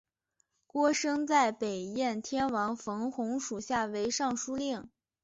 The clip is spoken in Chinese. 郭生在北燕天王冯弘属下为尚书令。